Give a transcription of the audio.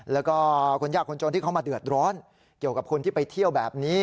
แล้วก็คนยากคนจนที่เขามาเดือดร้อนเกี่ยวกับคนที่ไปเที่ยวแบบนี้